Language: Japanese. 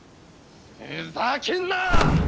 ふざけるな！